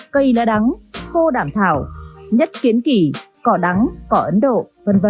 cây lá đắng khô đảm thảo nhất kiến kỳ cỏ đắng cỏ ấn độ v v